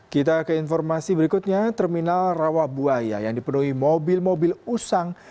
kita ke informasi berikutnya terminal rawabuaya yang dipenuhi mobil mobil usang